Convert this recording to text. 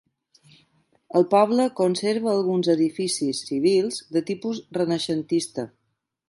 El poble conserva alguns edificis civils de tipus renaixentista.